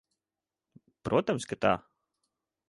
Protams, ka tā.